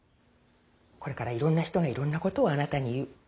これからいろんな人がいろんなことをあなたに言う。